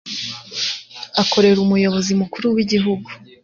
Akorera umuyobozi mukuru w'igihugu